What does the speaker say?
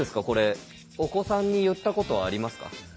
これお子さんに言ったことありますか？